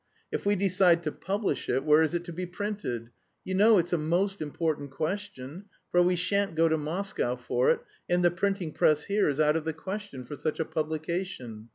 "If we decide to publish it, where is it to be printed? You know it's a most important question, for we shan't go to Moscow for it, and the printing press here is out of the question for such a publication.